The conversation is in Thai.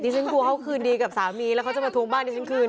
ฉันกลัวเขาคืนดีกับสามีแล้วเขาจะมาทวงบ้านดิฉันคืน